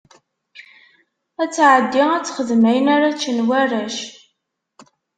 Ad tɛeddi ad texdem ayen ara ččen warrac.